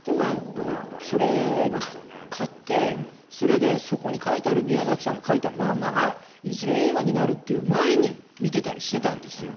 それを買ってそれでそこに描いてある宮崎さんが描いた漫画がいずれ映画になるというものを見ていたりしたんですよ。